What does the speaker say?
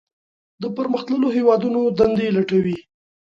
د پرمختللو هیوادونو دندې لټوي.